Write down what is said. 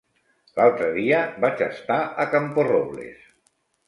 L'altre dia vaig estar a Camporrobles.